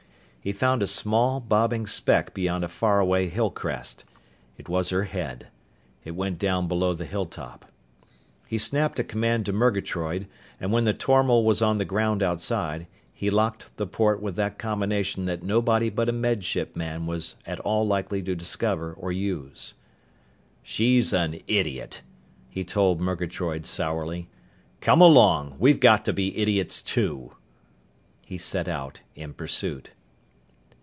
He found a small, bobbing speck beyond a faraway hill crest. It was her head. It went down below the hilltop. He snapped a command to Murgatroyd, and when the tormal was on the ground outside, he locked the port with that combination that nobody but a Med Ship man was at all likely to discover or use. "She's an idiot!" he told Murgatroyd sourly. "Come along! We've got to be idiots too!" He set out in pursuit.